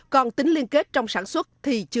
còn tính liên kết trong sản xuất lúa gạo việt nam